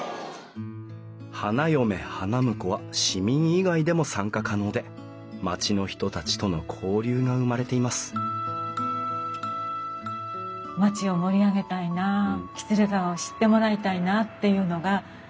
花嫁花婿は市民以外でも参加可能で町の人たちとの交流が生まれています町を盛り上げたいな喜連川を知ってもらいたいなっていうのがみんなの思い。